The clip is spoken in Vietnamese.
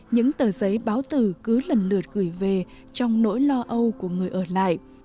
những tờ giấy báo tử cứ lần lượt gửi về trong nỗi lo âu của người ở lại